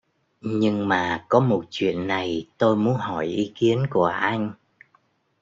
Nhưng mà có một chuyện này tôi muốn hỏi ý kiến của anh